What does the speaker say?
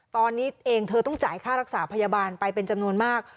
ตอนนี้เองเธอต้องจ่ายค่ารักษาพยาบาลไปเป็นจำนวนมาก